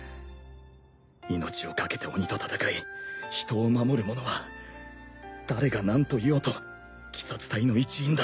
命を懸けて鬼と戦い人を守る者は誰が何と言おうと鬼殺隊の一員だ。